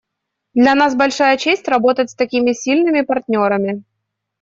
Для нас большая честь работать с такими сильными партнерами.